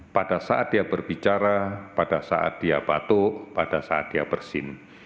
pada saat dia berbicara pada saat dia batuk pada saat dia bersin